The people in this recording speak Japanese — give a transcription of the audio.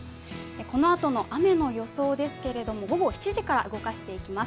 このあとの雨の予想ですけれども、午後７時から動かしていきます。